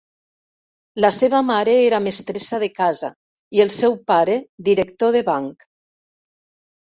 La seva mare era mestressa de casa i el seu pare director de banc.